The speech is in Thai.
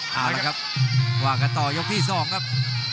เอาล่ะครับวากต่อยกที่สองครับ